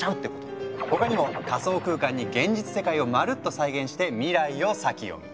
他にも仮想空間に現実世界をまるっと再現して未来を先読み！